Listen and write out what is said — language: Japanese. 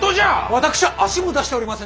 私は足も出しておりませぬ。